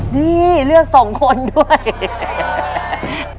นี่เลือดสองคนด้วย